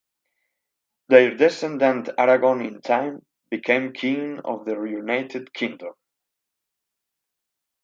Their descendant Aragorn in time became king of the Reunited Kingdom.